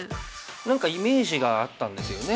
何かイメージがあったんですよね。